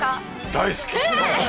大好き！